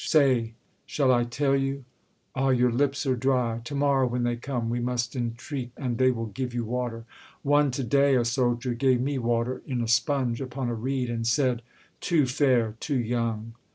Say, shall I tell you? Ah! your lips are dry! To morrow, when they come, we must entreat, And they will give you water. One to day, A soldier, gave me water in a sponge Upon a reed, and said, 'Too fair! too young!